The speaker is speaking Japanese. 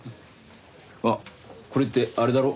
あっこれってあれだろ？